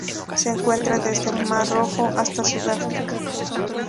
Se encuentra desde el Mar Rojo hasta Sudáfrica.